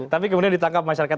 tapi kemudian ditangkap masyarakat